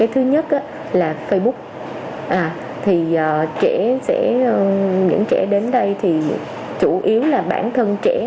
thứ nhất là facebook những trẻ đến đây chủ yếu là bản thân trẻ